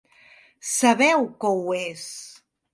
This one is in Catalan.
Sabeu que ho és!